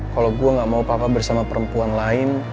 kalau gue gak mau papa bersama perempuan lain